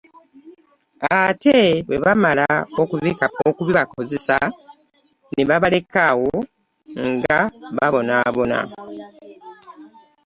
Ate bwe bamala okubibakozesa ne babaleka awo nga babonaabona.